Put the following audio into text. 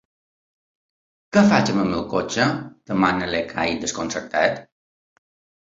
Què faig, amb el meu cotxe? —demana l'Ekahi, desconcertat—.